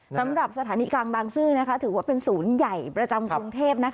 สำหรับสถานีกลางบางซื่อถือว่าเป็นศูนย์ใหญ่ประจำกรุงเทพ